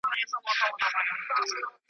نه پېچک نه ارغوان یم .